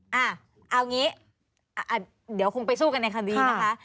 เอางี้เดี๋ยวคงไปสู้กันในคดีนะคะ